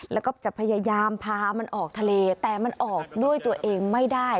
แล้วก็จะพยายามพามันออกทะเลแต่มันออกด้วยตัวเองไม่ได้